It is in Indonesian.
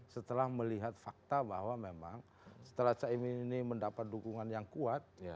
setelah melihat fakta bahwa memang setelah caimin ini mendapat dukungan yang kuat